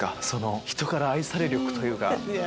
その人から愛され力というか。